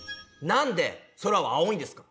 なんで夏は暑いんですか？